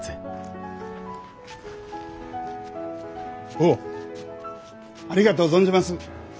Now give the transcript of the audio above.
坊ありがとう存じます。